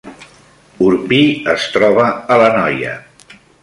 Orpí es troba a l’Anoia